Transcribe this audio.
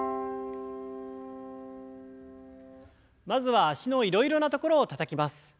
まずは脚のいろいろな所をたたきます。